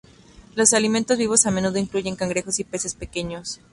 Los alimentos vivos a menudo incluyen cangrejos y peces pequeños.